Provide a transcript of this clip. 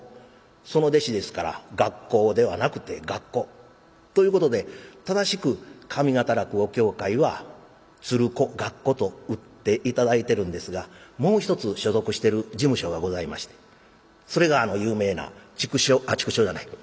その弟子ですから「学光」ではなくて「学光」ということで正しく上方落語協会は「つるこ」「がっこ」と打って頂いてるんですがもう一つ所属してる事務所がございましてそれがあの有名なちくしょあっ「ちくしょう」じゃない